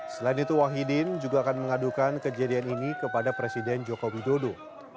selain itu wahidin juga akan mengadukan kejadian ini kepada presiden joko widodo